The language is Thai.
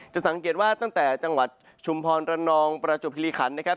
สังเกตว่าตั้งแต่จังหวัดชุมพรระนองประจวบคิริขันนะครับ